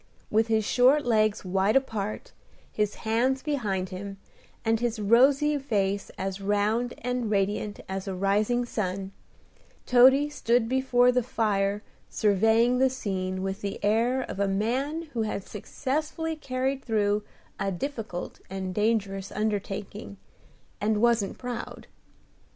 With his short legs wide apart, his hands behind him, and his rosy face as round and radiant as a rising sun, Toady stood before the fire surveying the scene with the air of a man who has successfully carried through a difficult and dangerous undertaking, and wasn't proud.